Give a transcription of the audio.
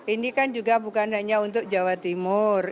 ini kan juga bukan hanya untuk jawa timur